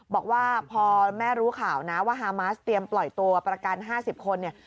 บอกว่าพอแม่รู้ข่าวนะว่าฮามาสเตรียมปล่อยตัวประกัน๕๐คนเนี่ย